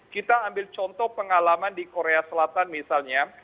kita ambil contoh pengalaman di korea selatan misalnya